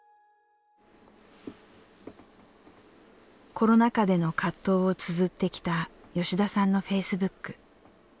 コロナ禍での葛藤をつづってきた吉田さんのフェイスブック。